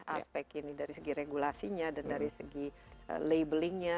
aspek ini dari segi regulasinya dan dari segi labelingnya